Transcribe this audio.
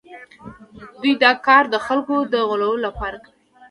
دوی دا کار د خلکو د غولولو لپاره کوي